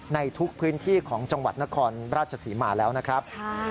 ในทุกพื้นที่ของจังหวัดนครราชศรีมาแล้วนะครับ